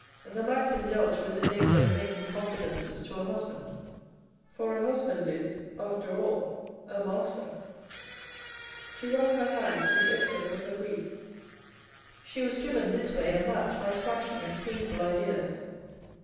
The maxim dealt with the danger of making confidences to a husband, for a husband is after all a master. She wrung her hands in the excess of her grief. She was driven this way and that by clashing and painful ideas.